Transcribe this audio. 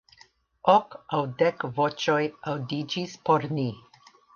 Ok aŭ dek voĉoj aŭdiĝis por ni.